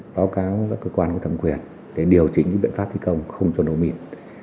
báo cáo cơ quan của thẩm quyền để điều chỉnh biện pháp thi công không cho nổ mìn